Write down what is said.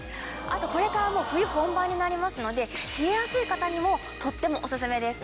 あとこれから冬本番になりますので冷えやすい方にもとってもおすすめです。